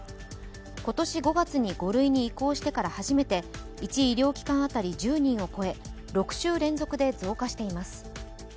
今年５月に５類に移行してから初めて１医療機関当たり１０人を超え６週連続で増加しています。